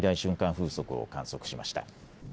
風速を観測しました。